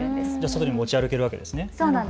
外に持ち歩けるわけですね。